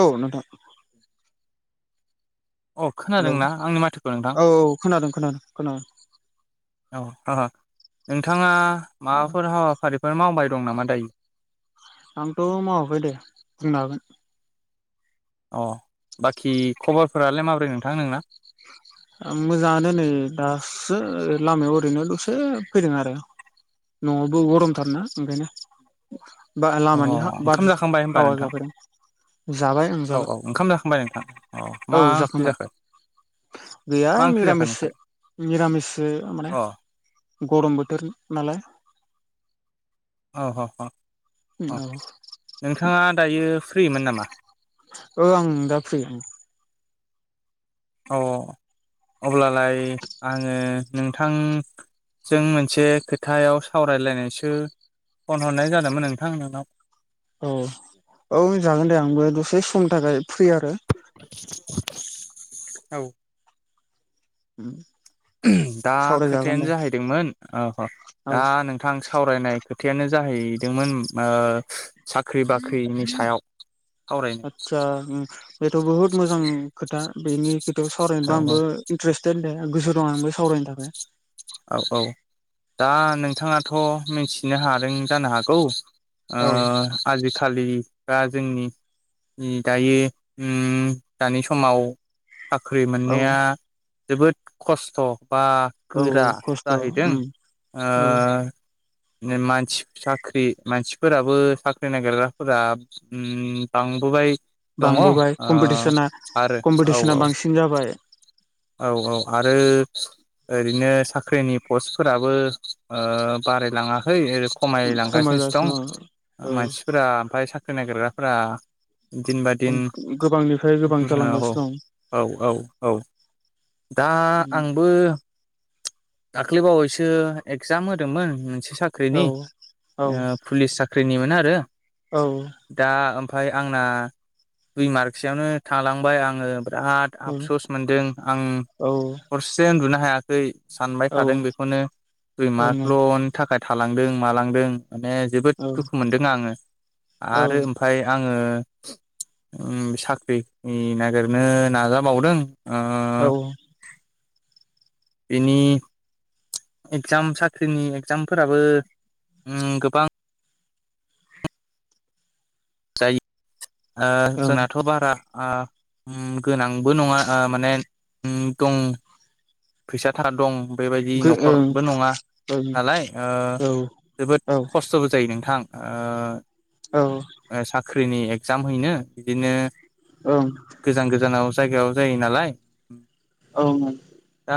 औ नोंथां। अ हेलौ खोनादोंना आंनि माथोखो नोंथां? औ खोनादों खोनादों खोनादों। औ ओ नोंथाङा माबाफोर हाबाफारिफोर मावबाय दं नामा दायो? आंथ मावाखै दे बुंनो हागोन। अ बाखि खबरफोरालाय माब्रै नोंथां नोंना? उम मोजाङानो नै दासो लामायाव ओरैनो दसे फैदों आरो न आवबो गरमथारना ओंखायनो। बा अह लामानि हा बार ओंखाम जाखांबाय होनबा हावा नोंथां? जाफैदों जाबाय ओं औ जाबाय औ, ओंखाम जाखांबाय नोंथां? अ, औ मा ओंख्रि जाखांबाय जाखो? गैया मा ओंख्रि जाखो नोंथां मिरामिसो मिरामिसो माने अ गरम बोथोर नालाय। औ अ अ। अ औ नोंथांङा दायो फ्रि मोन नामा? ओ आं दा फ्रि उम। अ अब्लालाय आङो नोंथांजों मोनसे खोखायाव सावरायलायनायसो फन हरनाय जादोंमोन नोंथां नोंनाव। औ औ जागोन दे आंबो दसे समनि थाखाय फ्रि आरो। औ। उम। दा खोथायानो जाहैदोंमोन ओ अ औ दा नोंथां स सावरायनाय खोथायानो जाहैदोंमोन ओ साख्रि बाख्रिनि सायाव सावरायनो आतसा उम बेथ बुहुत मोजां खोथा। बेनि खोथायाव औ सावरायनो औ आंबो इन्टारेस्टेड दे। गोसो दङ आंबो सावरायनो थाखाय। औ-औ दा नोंथाङाथ मिथिनो हादों जानो हागौ। ओ औ आजिखा खालि बा जोंनि उम दायो उम दानि समाव साख्रि औ मोननाया जोबोद खस्थ। बा औ गोरा। खस्थ' जाहैदों उम औ ओ [unintelligible] मानसि साख्रि मानसिफोराबो साख्रि नागिरग्राफोरा ओम बांबोबाय। दङ ओ बांबोबाय कमपिटिसना आरो कम्पिटिसना बांसिन जाबाय। औ-औ आरो ओरैनो साख्रिनि पस्टफोराबो ओ बारायलाङाखै ओरै खमायलांगासिनोसो दं खमायगासिनो दं मानसिफोरा ओमफ्राय सा खोनाय ग्राफोरा। दिन बा औ दिन गोबांनिफ्राय गोबां औ जालांगासिनो औ औ औ। दा दं आंबो। दाख्लैबावैसो एगजाम होदोंमोन मोनसे साख्रिनि औ औ ओ पुलिस सा ख्रिनिमोन आरो। औ दा ओम फाय आंना दुइ मार्कसयावनो थांलांबाय आङो बेराद औ आफसस मोनदों। आं औ हरसेसो उन्दुनो हा हायाखै। सानबाय ओं थादों बेखौनो ओं दुइमार्कल'नि थाखा थालांदों मालांदों।। माने जोबोद औ दुखु मोनदों आङो औ आरो ओमफाय आङो उम साख्रि नागिरनो नाजाबावदों। ओ औ। बिनि। एकजाम साख्रिनि एकजामफोराबो ओ गोबां जायो। ओ ओं जोंनाथ' बारा। आ उम गोनांबो नङा ओ माने उम दं। फैसा थाखा दं। बेबायदि गो ओं न'खरबो नङा ओं नालाय ओ औ जोबोद खस्थ'बो जायो नोंथां। ओ। औ। ख्रिनि एग्जाम हैनो बिनो ओं गोजान गोजानाव जायगायाव जायो नालाय औ।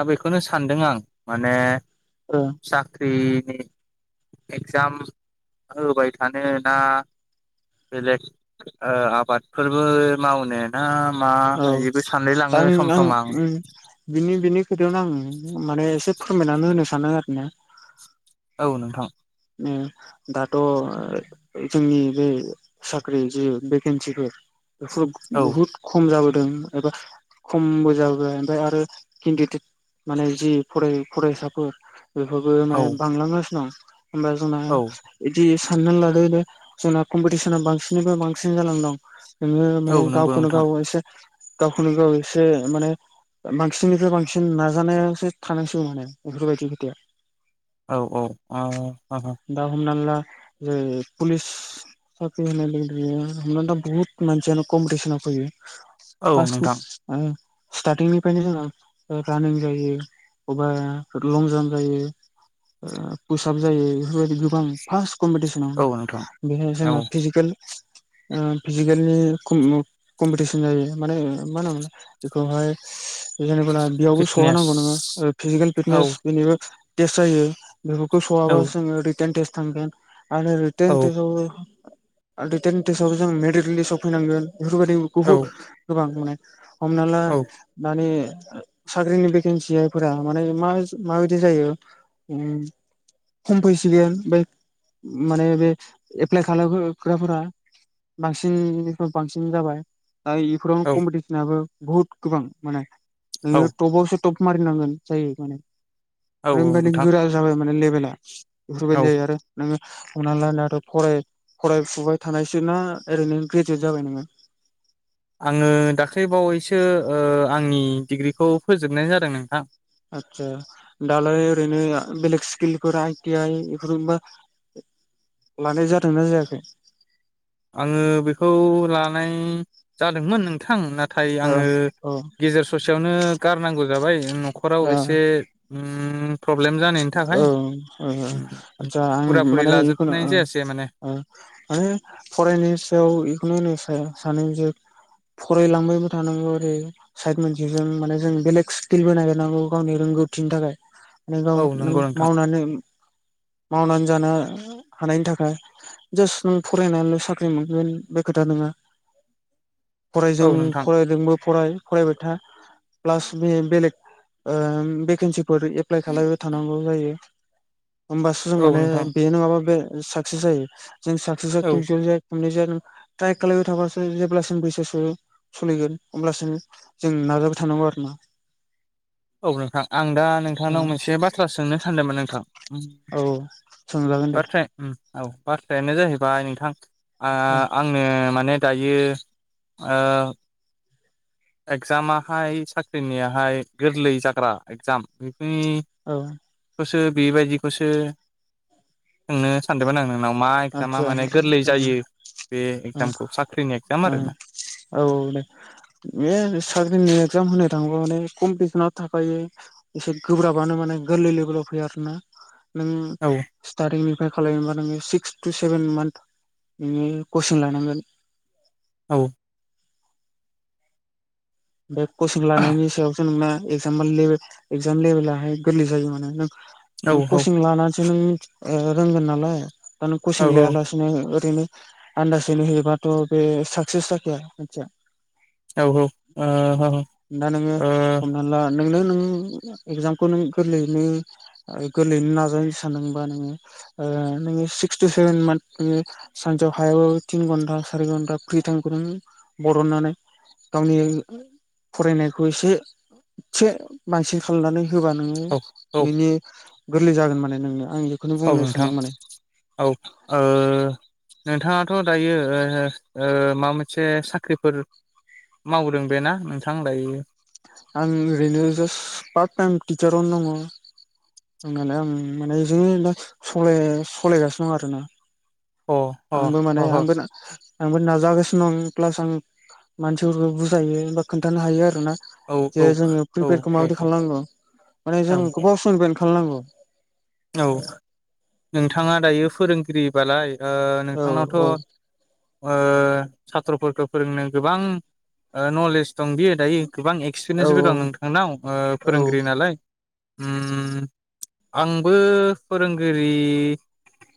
दा बेखौनो सानदों आं माने ओं साख्रि नि एक्जाम होबाय थानो ना बेलेग आबादफोरबो मावनो ना? मा औ बेबो सानलाय लाङो आं सम आं सम ओ बिनि बिनि नो आं माने एसे फोरमायनानै होनो सानो आरो ना। औ नोंथां। ओ दाथ' जोंनि बे साख्रि जि भेकेन्सिफोर बेफोर औ बहुत खम जाबाय उम एबा खमबो जाबाय ओमफ्राय आरो केन्दिदेट माने जि फराय फरायसाफोर बेफोरबो औ माने बांलांगासिनो दं। होमबा जोंना औ इदि। साननानै लादो दे जोंना कम्पिटिसना बांसिननिफ्राय बांसिन जाना दं। नोंओ औ माने नंगौ गावखोनो नोंथां गाव एसे गावखौनो गाव एसे माने बांसिननिफ्राय बांसिन नाजानायासो थानांसिगौ माने बेफोरबायदि खोथाया। औ औ। अ अह। जे पुलिस साख्रि होननाय लोगो लोगो दा बहुत मानसियानो कमपिटिसन आव फैयो। औ फास ओ नोंथां स्टार्टिंनिफ्रायनो जोंङो रानिं जायो अबा लं जाम्प जायो। फुसआब जायो बेफोरबायदि गोबां फार्स्ट कमपेटिसनाव औ नोंथां बेहाय औ जोंङो फिजिकेल ओ फिजिकेलनि कम कम्पेटिसन जायो माने मा होनो बेखौहाय जेनेब्ला बेयावबो फिटनेस सौहानांगौ नोङो फिजिकेल औ फिटनेस बेनिबो गेस जायो। बेफोरखौ सौहाबा औ जोंङो रिटेन थेस थांगोन। आरो रिटन औ टेस आवबो आ रिटेन टेस आव जों मेरिड लिसाव फैनांगोन। बेफोरबायदिखौ औ बुहुम गोबां माने हमना ला औ माने साख्रिनि भेकेन्सिफोरा माने म माबायदि जायो खम फैसिगोन बमफ्राय माने बे एप्लाइ खालामग्राफोरा बांसिननिफ्राय बांसिन जाबाय दा इफोराव औ कम्पिटिसनाबो बहुत गोबां माने नोङो थ' बासो टप मारिनांगोन जायो माने औ आरैबायदि नोंथां गोरा जाबाय मा नों लेबेला। [unintelligible] औ जायो आरो नोङो। हमना ला दाथ' फराय फरायफुबाय थानायसो ना ओरैनो ग्रेजुयेट जाबाय नोङो आङो दाख्लै बावैसो ओ आंनि डिग्रिखौ फोजोबनाय जादों नोंथां आतसा दालाय ओरैनो आ बेलेग स्किलफोर आइ टि आइ इफोरबा लानाय जादोंना जायाखै आङो बेखौ ला नाय जादोंमोन नोंथां ना थाय औ आङो औ गेजेर ससेयावनो गारनांगौ जाबाय न'खराव एसे ओम ओम औ औ आतसा आं फुरा फुरि माने इखुनु लाजोबनाय ओ जायासै माने ओ माने फरायनायनि सायाव इखौनो होनो सा सानो जे फरायलांबायबो थानांगौ ओरै साइड मोनसेजों माने जों बेलेग स्किलबो नागिरनांगौ गावनि रोंगौथिनि थाखाय [unintelligible] नों औ नंगौ नोंथां मावनानै मावनानै जानो हानायनि थाखाय जास्ट नों फरायनानैल' साख्रि मोनगोन बे खोथा नङा। औ फरायजों नोंथां फरायदोंबो फराय फरायबाय था प्लास बे बेलेग ओ भेकेनसि। फोरखो एप्लाइ खालायबाय थानांगौ जायो होमबासो जों औ माने नोंथां बे नङाबा बे साक्सेस जायो। जों साक्सेस औ [unintelligible] हमनाय जागोन ट्राइ खालायबाय थाबासो जेब्लासिम बैसोसो सलिगोन अब्लासिम जों नाजाबाय थानांगौ आरो ना। औ नोंथां आं दा औ नोंथांनाव मोनसे बाथ थ्रा सोंनो सानदोंमोन नोंथां [inaudible] औ सोंजागोन दे। बाथ्राया उम औ बाथ्रायानो जाहैबाय नोंथां आ औ आंनो माने दायो ओ एगजामाहाय साख्रिनियाहाय गोरलै जाग्रा एगजाम [unintelligible] उम [inaudible] बोसोर बेबायदिखौसो [inaudible] सोंनो सानदोंमोन आङो। आंनाव मा इजामा आदसा माने गोरलै औ जायो बे एजामखौ साख्रिनि एक्जाम आरोना। [inaudible] औ दे बे साख्रिनि एक्जाम होनो थाङोबा माने कम्पिटिसनाव थाखायो एसे गोब्राबानो माने गोरलै लेभेलाव फैयो आरोना। नों औ सिर्थटिंनिफ्राय ए खालामबा नोङो सिक्स फ थटु सेभेन मान्थ नों नोङो कचिं लानांगोन। औ। बे कचिं लानायनि सायावसो नोंना एक्जाम लेबेल एक्जाम लेबेलाहाय गोरलै जायो माने। औ नों औ कचिं लानानै नोंथि ओ रोंगोन नालाय। कसिं लायालासिनो ओ नो आन्दासैनो होयोबाथ' बे साक्सेस जाखाया मानसिया। औ औ। दानो नोंङो हमना ला नोंनो नों एगजामखौ नों गोरलैयैनो गोरलैयैनो नाजाय सानदोंबा नोङो ओ नोङो सिक्स थटु सेभेन मान्थ नोङो सानसेयाव हायाबाबो थिन घन्टा सारि घन्टा फ्रि टाइमखौ नों बरननानै गावनि फरायनायखौ एसेसे बांसिन खालामनानै होबा नोङो ओ औ नोंनि गोरलै जागोन माने नोंनिया। औ नोंथां औ ओ नोंथाङाथ' दायो ओ ओ माबा मोनसे साख्रिफोर मावदों बेना नोंथां दायो? आं ओरैनो जास्ट पार्ट टाइम टिचारावनो दङ होननानै आं माने बिजोंनो सलाय सालायगासिनो दं आरोना। अ अ आंबो अ माने औ आंबो आंबो नाजागासिनो दं प्लास आं मानसिफोरखौ बुजायो एबा खोनन्थानो हायो आरो ना औ जे जोङो औ प्रिपेारखौ माबाददि खालामनांगौ माने औ जों गोबाव समनिफ्रायनो खालामनांगौ। औ नोंथाङा दायो फोरोंगिरि बालाय ओ औ नोंथांनावथ' औ ओ साथ्र'फोरखौ फोरोंनो गोबां ओ नलेज दं बियो दायो। गोबां औ एक्सपिरियेन्सबो दं नोंथांनाव ओ औ फोरोंगिरि नालाय। ओम आं बो फोरोंगिरि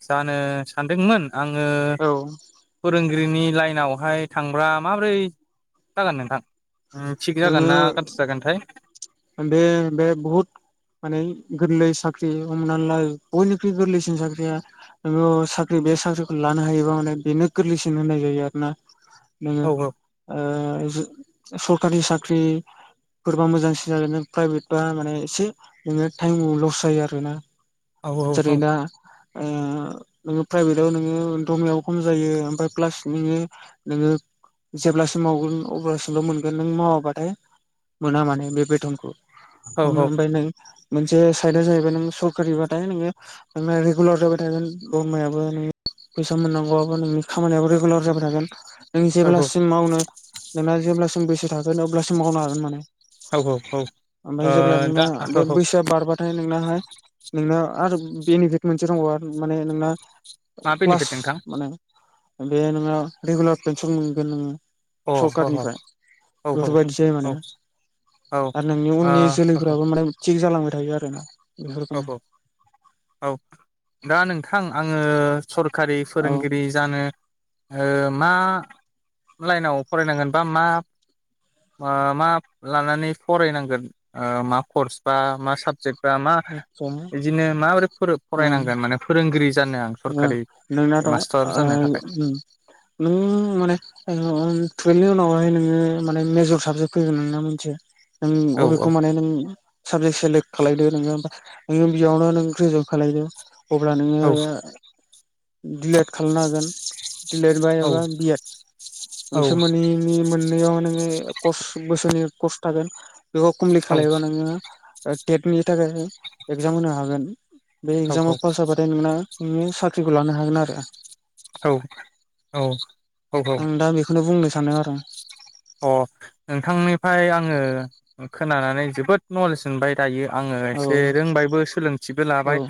जानो सानदोंमोन आङो औ फोरों गिरिनि लाइनावहाय थांबा माबोरै जागोन नोंथां ओ थिग जागोन नोङो ना गाज्रि जागोनथाय? बे बे बहुद माने गोरलै साख्रि हमना ला बयनिख्रुइ गोरलैसिन साख्रिया साख्रि बे साख्रिखौ लानो हायोबा माने बेनो गोरलैसिन होननाय जायो आरोना नोङो औ ओ सरखारि साख्रिफोरबा मोजांसिन जागोन नों प्राइभेट बा माने एसे नोङो टाइम लस जायो आरोना औ औ जेरै औ दा ओ नोङो प्राइभेटाव नोङो दरमायाबो खम जायो ओमफ्राय प्लास नोङो नोङो जेब्लासिम मावगोन अब्लासिमल' मोनगोन नों मावाबाथाय मोना माने बेबादि बेटनखौ औ औ [unintelligible] नों मोनसे साइदआ जाहैबाय नों सरकारिबाथाय नोङो नोंना रेगुलार जाबाय थागोन दरमायाबो नों फैसा मोननांगौआबो नोंनि खामानियाबो रेगुलार जाबाय थागोन नों औ जेब्लासिम मावनो ना जेब्लासिम बैसो थागोन अब्लासिम मावनो हागोन माने औ औ ओमफाय ओ जेब्ला नोंना दा औ बे औ बैसोआ बारबाथाय नोंनाहाय नोंना आरो बेनिफिट मोनसे दं आरो माने नोंना मा क्लास बेनिफिट नोंथां? माने बे नोंङो रेगुलार पेनसन मोनगोन नोङो अ ह ह सरखारनिफ्राय औ बेफोरबादि जायो औ ओ माने औ आरो नोंनि उननि जोलैफ्राबो माने थिग जालांबाय थायो आरोना औ बेफोरखौनो औ औ दा नोंथां आंङो सरखारि औ फोरोंगिरि जानो ओ मा लाइनाव फरायनांगोन बा मा मा लानानै फरायनांगोन ओ मा कर्स बा मा साबजेक्ट बा मा [unintelligible] ओम बिदिनो माबोरै फोर ओम फरायनांगोन माने फोरोंगिरि जानो आं सरखारि नोंनाथ' मास्टार जानो थाखाय ओ नों माने टुवेल्वनि उनाव हाय नोङो माने मेजर साबजेक्ट फैगोन नोंना मोनसे नों अबेखौ औ माने नों साबजेक्ट सेलेक्ट खालायदो नोङो‌बा नोङो बेयावनो नों ग्रेजुवेट खालायदो अब्ला औ नोङो दिलेट खालामनो हागोन दिलेड बा औ एबा बिएड औ बिसोर मोनैनि मोननैयाव नोङो कस बोसोरनै कस थागोन बेखौ कमप्लेत औ खालायबा नोङो ओ टेटनि थाखाय एगजाम होनो हागोन बे औ एगजामाव पास जाबाथाय नोंना नों साख्रिखौ लानो हागोन आरो औ औ औ आं दा बेखौनो बुंनोसै सानो आरो अ नोंथांनिफ्राय आङो खोनानानै जोबोद नलेज मोनबाय दायो आङो एसे औ रोंबायबो सोलोंथिबो औ लाबाय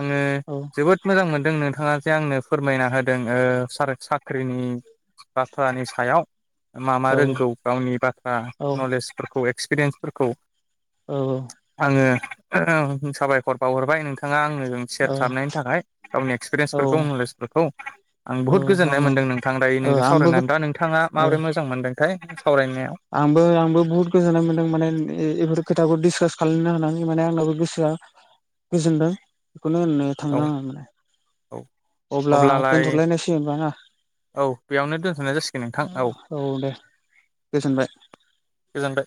आङो औ जोबोद मोजां मोनदों नोंथाङा जे आंनो फोरमायना होदों ओ स साख्रिनि बाथ्रानि सायाव मा मा रों गौ गावनि बाथ्रा औ नलेजफोरखौ एक्सपिरियेन्सफोरखौ आङो साबायखर बावहरबाय नोंथाङा आंनो जों औ सेयार खालामनायनि थाखाय गावनि औ एक्सपिरियेन्सफोरखौ नलेजफोरखौ आं बुहुत ओं गोजोननाय ओं मोन्दों नोंथां दायो ओ नोंजों आंबो सावरायनानै दा नोंथाङा ओ माबोरै मोजां मोन्दों ऐय आंबो आंबो बुहुत गोजोननाय मोनदों माने बेफोर खोथाखौ डिसकास खालायनो हानानै‌ माने आंनाबो गोसोआ गोजोनदों बेखौनो होननो औ थांदों आं माने औ अब्ला अब्लालाय दोनथ'लायनोसै होनबा ना औ बेयावनो दोनथ'नाय जासिगोन नोंथां औ दे गोजोनबाय। गोजोनबाय।